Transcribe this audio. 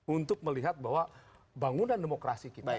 untuk melihat bahwa bangunan demokrasi kita ini